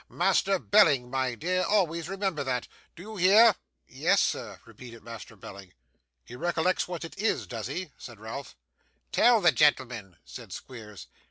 Master Belling, my dear, always remember that; do you hear?' 'Yes, sir,' repeated Master Belling. 'He recollects what it is, does he?' said Ralph. 'Tell the gentleman,' said Squeers.